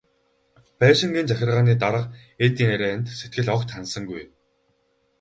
Байшингийн захиргааны дарга энэ ярианд сэтгэл огт ханасангүй.